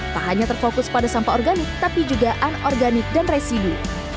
tak hanya terfokus pada sampah organik tapi juga anorganik dan residu